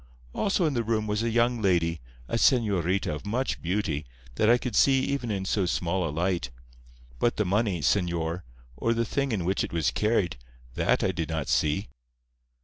Also in the room was a young lady—a señorita of much beauty—that I could see even in so small a light. But the money, señor, or the thing in which it was carried—that I did not see."